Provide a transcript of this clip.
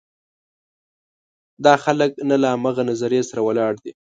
دا خلک نه له همغه نظریې سره ولاړ دي.